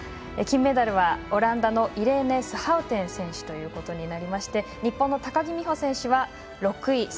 金メダルはオランダのイレーネ・スハウテン選手ということになりまして日本の高木美帆選手は６位。